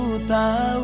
kamu baru tau